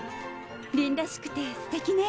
りんらしくてすてきね。